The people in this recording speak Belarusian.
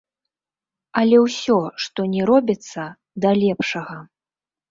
Але ўсё, што ні робіцца, да лепшага.